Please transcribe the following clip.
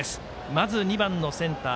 まず２番のセンター